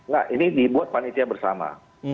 nah ini dibuat panitia bersama